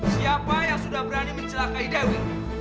siapa yang sudah berani mencelakai dewi